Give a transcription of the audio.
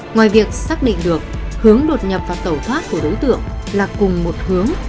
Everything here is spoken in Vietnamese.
ngoài việc xác định được hướng đột nhập vào tẩu thoát của đối tượng là cùng một hướng